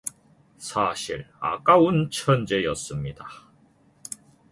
사실 아까운 천재였습니다.